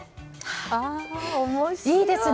いいですね。